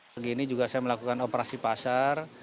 pagi ini juga saya melakukan operasi pasar